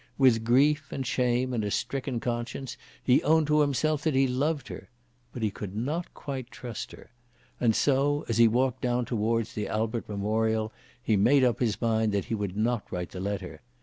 With grief and shame and a stricken conscience he owned to himself that he loved her. But he could not quite trust her. And so, as he walked down towards the Albert Memorial, he made up his mind that he would not write the letter.